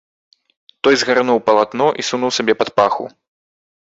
Той згарнуў палатно і сунуў сабе пад паху.